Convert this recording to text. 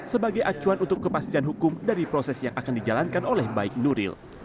sebagai acuan untuk kepastian hukum dari proses yang akan dijalankan oleh baik nuril